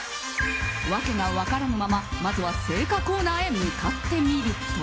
訳が分からぬまままずは青果コーナーへ向かってみると。